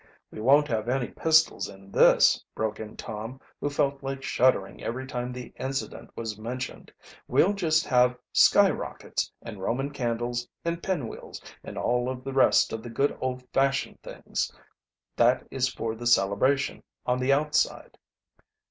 "We won't have any pistols in this," broke in Tom, who felt like shuddering every time the incident was mentioned. "We'll just have skyrockets, and Roman candles, and pin wheels, and all of the rest of the good old fashioned things that is for the celebration on the outside."